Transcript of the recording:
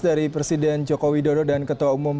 dari presiden jokowi dodo dan ketua umum